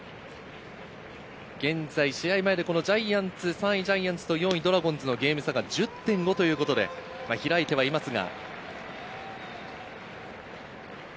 現在、試合前でジャイアンツ３位と、４位ドラゴンズのゲーム差１０．５ということで開いていますが。